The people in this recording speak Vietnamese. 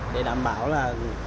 để đảm bảo là